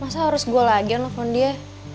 masa harus gua lagi nelfon dia